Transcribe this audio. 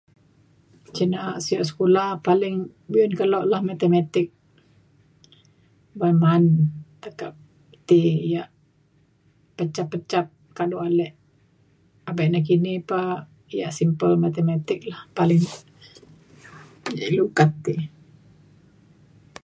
cin na’a sio sekula paling be’un kelo lah matematik. ban ma’an tekak ti yak peca pecap kado ale abe nekini pa yak simple matematik lah paling ilu kat ti.